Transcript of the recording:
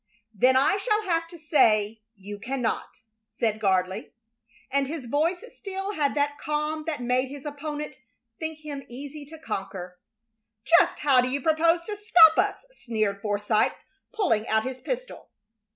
"Then I shall have to say you cannot," said Gardley; and his voice still had that calm that made his opponent think him easy to conquer. "Just how do you propose to stop us?" sneered Forsythe, pulling out his pistol.